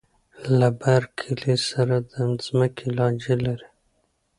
له بر کلي سره د ځمکې لانجه لري.